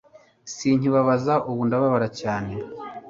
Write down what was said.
Sinkibabaza ubu ndababara cyane